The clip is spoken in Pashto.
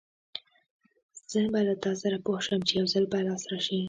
زه به له تاسره پوه شم، چې يوځل په لاس راشې!